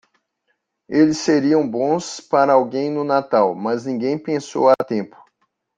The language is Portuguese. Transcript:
Eles seriam bons para alguém no Natal, mas ninguém pensou a tempo.